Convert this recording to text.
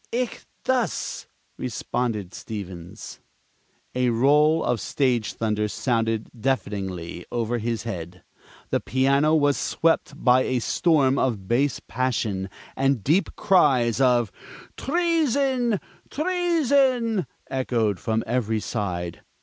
"Ichthus!" responded Stevens. A roll of stage thunder sounded deafeningly over his head. The piano was swept by a storm of bass passion; and deep cries of "Treason! Treason!" echoed from every side.